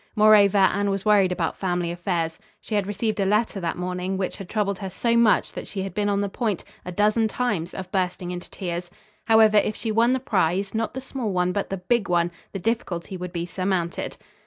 Moreover, Anne was worried about family affairs. She had received a letter, that morning, which had troubled her so much that she had been on the point, a dozen times, of bursting into tears. However, if she won the prize not the small one, but the big one the difficulty would be surmounted.